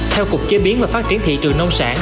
theo cục chế biến và phát triển thị trường nông sản